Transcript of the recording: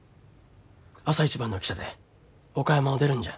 朝一番の汽車で岡山を出るんじゃ。